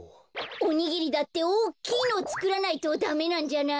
おにぎりだっておっきいのをつくらないとダメなんじゃない？